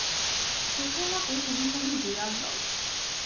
প্রথমত, তুমি কোনো বিড়াল নও।